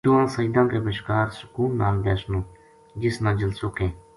دواں سجداں کے بشکار سکون نال بیسنو، جس نا جلسو کہیں۔